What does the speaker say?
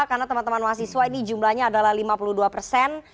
karena teman teman mahasiswa ini jumlahnya adalah lima puluh dua persen